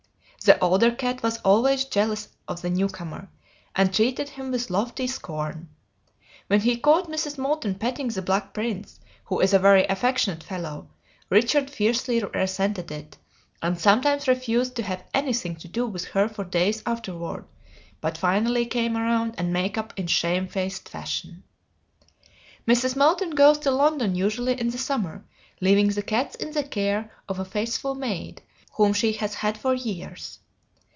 The older cat was always jealous of the newcomer, and treated him with lofty scorn. When he caught Mrs. Moulton petting the Black Prince, who is a very affectionate fellow Richard fiercely resented it and sometimes refused to have anything to do with her for days afterward, but finally came around and made up in shamefaced fashion. Mrs. Moulton goes to London usually in the summer, leaving the cats in the care of a faithful maid whom she has had for years.